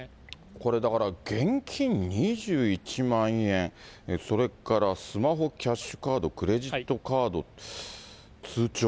これ、だから現金２１万円、それからスマホ、キャッシュカード、クレジットカード、通帳。